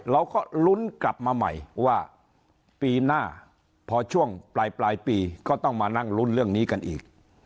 เราก็ลุ้นกลับมาใหม่ว่าปีหน้าพอช่วงปลายปีก็ต้องมานั่งลุ้นเรื่องนี้กันอีก